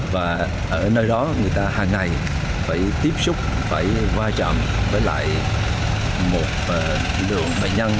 và ở nơi đó người ta hàng ngày phải tiếp xúc phải qua chậm với lại một lượng bệnh nhân